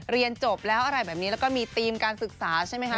เรียนจบแล้วอะไรแบบนี้แล้วก็มีธีมการศึกษาใช่ไหมคะ